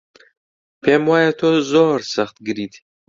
پێم وایە تۆ زۆر سەختگریت.